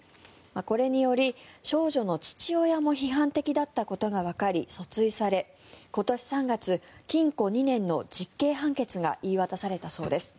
これにより、少女の父親も批判的だったことがわかり訴追され今年３月、禁錮２年の実刑判決が言い渡されたそうです。